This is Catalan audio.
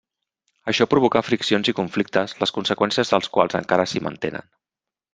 Això provocà friccions i conflictes, les conseqüències dels quals encara s'hi mantenen.